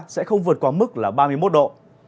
sẽ không vượt qua mức là ba mươi một độ